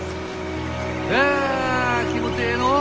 あ気持ちええのう！